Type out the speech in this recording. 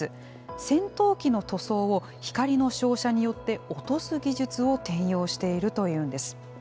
戦闘機の塗装を光の照射によって落とす技術を転用しているというんです。